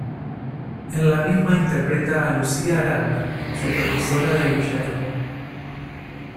En la misma interpreta a Lucía Aranda, supervisora de Guillermo.